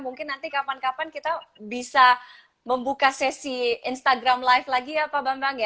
mungkin nanti kapan kapan kita bisa membuka sesi instagram live lagi ya pak bambang ya